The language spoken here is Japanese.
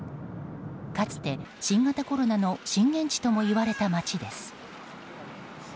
かつて新型コロナの震源地ともいわれた街です。